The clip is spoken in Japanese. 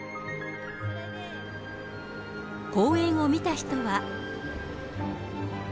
公演を見た人は。